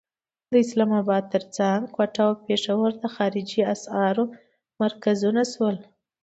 د اسلام اباد تر څنګ کوټه او پېښور د خارجي اسعارو مرکزونه شول.